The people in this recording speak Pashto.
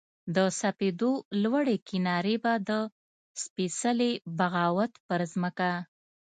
د سپېدو لوړې کنارې به د سپیڅلې بغاوت پر مځکه